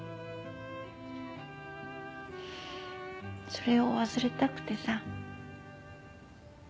それを忘れたくてさ。